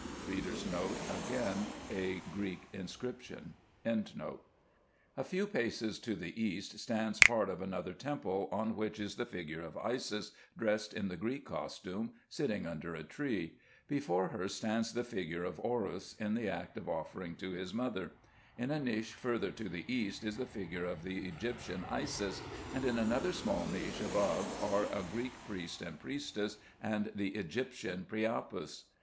NHLL VICIHROTNl cTTc TI0)TOTKAIT0JNe/ CeBeC TAT(DNFONeCJGNKAIF AIOY T W IKTOTAAeAoCTKN AOITF^NAAGAOII A few paces to the east stands part of another temple, on which is the figure of Isis, dressed in the Greek costume, sitting under a tree. Before her stands the figure of Orus, in the act of offering to his mother. In a niche further to the east is the figure of the Egyptian Isis ; and in another small niche above are a Greek priest and priestess, and the Egyptian Priapus.